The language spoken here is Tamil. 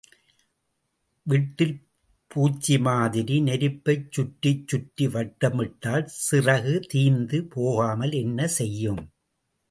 விட்டில் பூச்சி மாதிரி நெருப்பைச் சுற்றிச் சுற்றி வட்டமிட்டால் சிறகு தீய்ந்து போகாமல் என்ன செய்யும்?